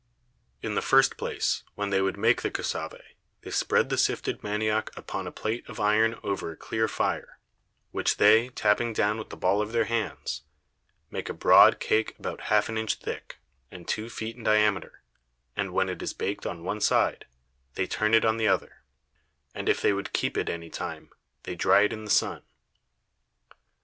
In the first place, when they would make the Cassave, they spread the sifted Manioc upon a Plate of Iron over a clear Fire, which they tapping down with the Ball of their Hands, make a broad Cake about half an Inch thick, and two Feet in diameter; and when it is baked on one side, they turn it on the other: and if they would keep it any time, they dry it in the Sun.